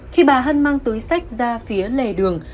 khi bà hân mang túi sách ra phía lề đường